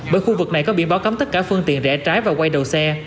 bởi khu vực này có biển báo cấm tất cả phương tiện rẽ trái và quay đầu xe